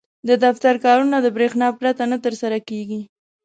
• د دفتر کارونه د برېښنا پرته نه ترسره کېږي.